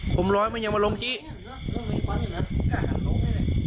ผมร้อยมันยังไม่ลงทิ้ง